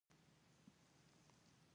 ځمکه د پښتون لپاره د مور حیثیت لري.